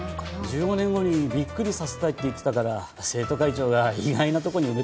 １５年後にびっくりさせたいって言ってたから生徒会長が意外なとこに埋めたのかもね